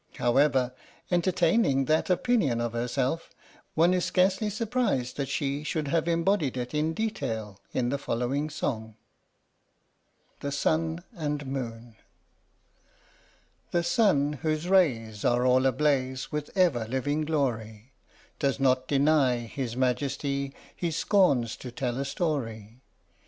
However, entertaining that opinion of herself, one is scarcely surprised that she should have em bodied it in detail in the following song: THE SUN AND MOON The sun, whose rays Are all ablaze With ever living glory, Does not deny His Majesty He scorns to tell a story.